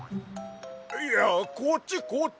いやこっちこっち！